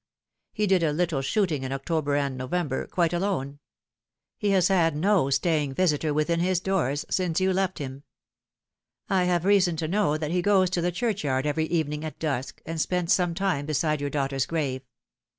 He did a little shooting in October and November, quite alone. He has had no staying visitor within his doors since you left him. " I have reason to know that he goes to the churchyard every evening at dusk, and spends some time beside your daughter's grave.